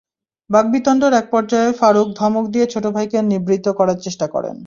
বাগবিতণ্ডার একপর্যায়ে ফারুক ধমক দিয়ে ছোট ভাইকে নিবৃত্ত করার চেষ্টা করেন।